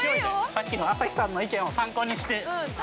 ◆さっきの朝日さんの意見を参考にして。